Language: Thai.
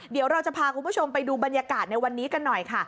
เดี๋ยวเราจะพาคุณผู้ชมไปดูบรรยากาศในวันนี้กันหน่อยค่ะ